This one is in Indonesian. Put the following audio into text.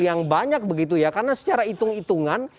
yang banyak begitu ya karena secara hitung hitungan